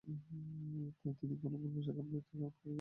তিনি তাই করলেন, ভুলবশতঃ আম্পায়ার তাকে আউট দিয়েছেন।